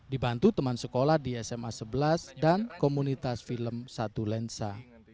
dibantu teman sekolah di sma sebelas dan komunitas film satu lensa